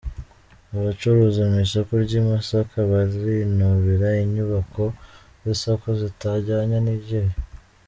Abacururiza mu isoko ry’i Masaka barinubira inyubako z’isoko zitajyanye n’igihe